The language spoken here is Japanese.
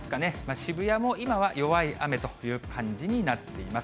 渋谷も今は弱い雨という感じになっています。